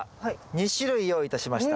２種類用意いたしました。